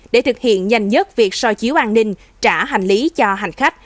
để thực hiện nhanh nhất việc soi chiếu an ninh trả hành lý cho hành khách